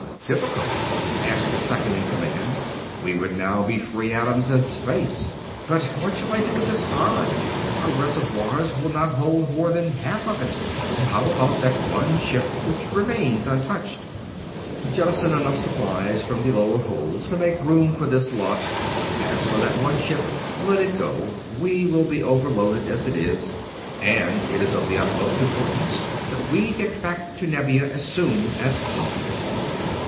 "Difficult?" asked the second in command. "We would now be free atoms in space. But what shall I do with this iron? Our reservoirs will not hold more than half of it. And how about that one ship which remains untouched?" "Jettison enough supplies from the lower holds to make room for this lot. As for that one ship, let it go. We will be overloaded as it is, and it is of the utmost importance that we get back to Nevia as soon as possible."